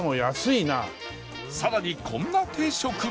さらにこんな定食も